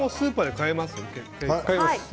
買えます。